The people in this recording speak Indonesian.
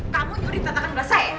kamu nyuri tatakan gelas saya ya